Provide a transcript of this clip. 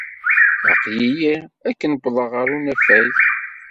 Aql-iyi akken wwḍeɣ ɣer ur anafag.